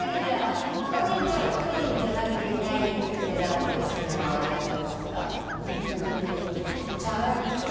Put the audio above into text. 他にプリンじゃないデザートで好きなのはありますか？